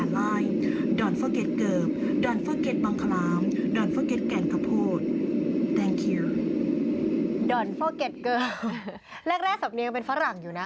แรกสำเนียงเป็นฝรั่งอยู่นะ